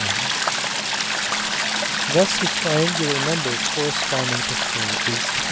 Thus the triangular number corre sponding to 4 is 10.